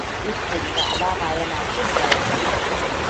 Bitrus da alama yana jin daɗi.